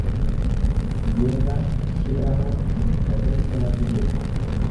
ngenga rishyiraho igitabo cy amategeko